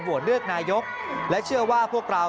เลือกนายกและเชื่อว่าพวกเรา